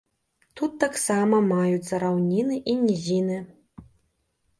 Тут таксама маюцца раўніны і нізіны.